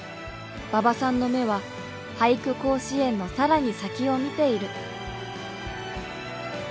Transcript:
馬場さんの目は「俳句甲子園」の更に先を見ている。